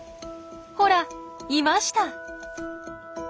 ほらいました！